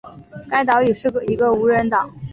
该岛屿是一个无人岛。